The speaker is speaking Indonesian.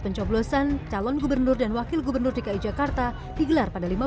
pencoblosan calon gubernur dan wakil gubernur dki jakarta digelar pada lima belas